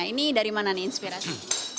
ini dari mana nih inspirasi